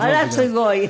あらすごい。